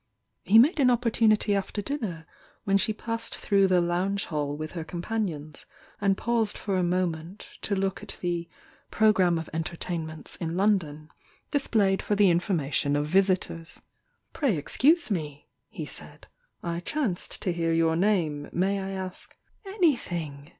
He made an opportunity after dinner, when she passed through the lounge hall with her com panions, and paused for a moment to look at tae "Programme of Entertainments in London" dis played for the information of visitors. "Pray excuse me!" he said— "I chanced to hear your name — may I ask " "Anything!"